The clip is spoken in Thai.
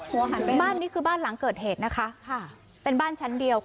หัวหันแบ่งบ้านนี้คือบ้านหลังเกิดแก่ดค่ะเป็นบ้านชั้นเดียว